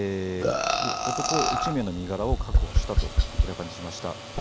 男１名の身柄を確保したと明らかにしました。